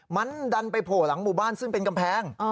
มันดันไปโผล่หลังหมู่บ้านซึ่งเป็นกำแพง